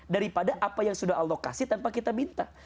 daripada apa yang sudah allah kasih tanpa kita minta